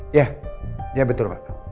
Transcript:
iya iya betul pak